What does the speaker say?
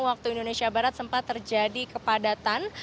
waktu indonesia barat sempat terjadi kepadatan